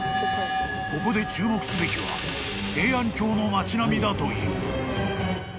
［ここで注目すべきは平安京の町並みだという］